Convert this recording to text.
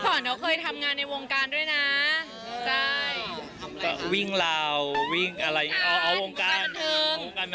สวัสดีเจ๊